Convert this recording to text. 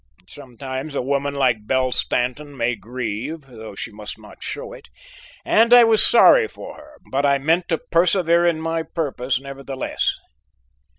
Sometimes a woman like Belle Stanton may grieve, though she must not show it, and I was sorry for her, but I meant to persevere in my purpose, nevertheless.